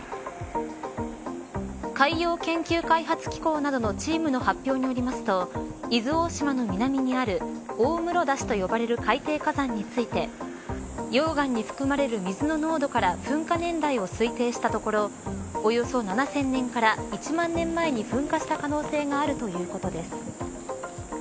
海洋研究開発機構などのチームの発表によりますと伊豆大島の南にある大室ダシと呼ばれる海底火山について溶岩に含まれる水の濃度から噴火年代を推定したところおよそ７０００年から１万年前に噴火した可能性があるということです。